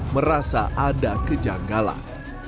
merasa ada kejanggalan